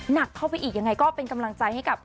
หนักเข้าไปอีกยังไงก็เป็นกำลังใจให้กับ